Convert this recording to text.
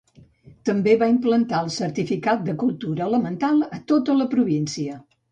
També va implantar el Certificat de Cultura Elemental a tota la província.